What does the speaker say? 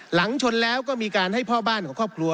หลังชนแล้วก็มีการให้พ่อบ้านของครอบครัว